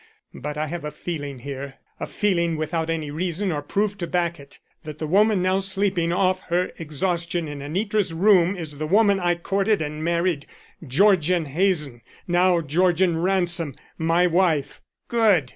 But I have a feeling here a feeling without any reason or proof to back it that the woman now sleeping off her exhaustion in Anitra's room is the woman I courted and married Georgian Hazen, now Georgian Ransom, my wife." "Good!